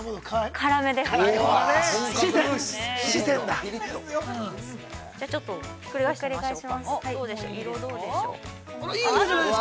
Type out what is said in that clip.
◆辛めです。